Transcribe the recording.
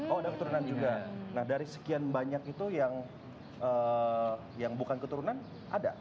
oh ada keturunan juga nah dari sekian banyak itu yang bukan keturunan ada